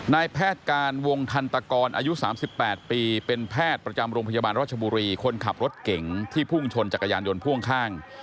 นายแพทย์การวงทันตกรอายุ๓๘ปีเป็นแพทย์ประจำโรงพยาบาลรัชบุรีคนขับรถเก่งที่พุ่งชนจักรยานยนต์พ่วงข้าง